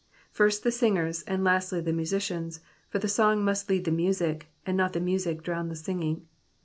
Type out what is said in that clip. First the singers, and lastly the musicians, for the song must lead the music, and not the music drown the singing.